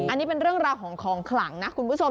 อันนี้เป็นเรื่องราวของของขลังนะคุณผู้ชม